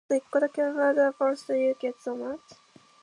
Whatever possessed you to get so much?